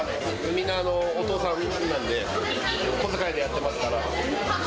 みんなお父さんなので、小遣いでやってますから。